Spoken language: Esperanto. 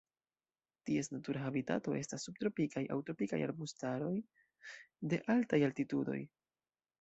Ties natura habitato estas subtropikaj aŭ tropikaj arbustaroj de altaj altitudoj.